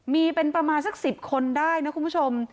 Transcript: มีเป็นประมาณสัก๑๐คนได้นะคุณผู้ชม